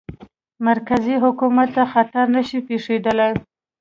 مرکزي حکومت ته خطر نه شي پېښولای.